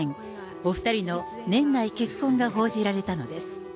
お２人の年内結婚が報じられたのです。